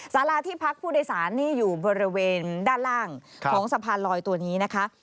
สาราที่พักผู้โดยสารนี่อยู่บริเวณด้านล่างของสะพานลอยตัวนี้นะคะ